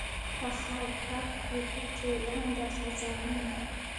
په هر ټپ کې په څو رنګه خزانونه